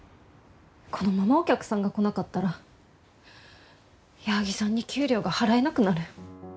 このままお客さんが来なかったら矢作さんに給料が払えなくなる。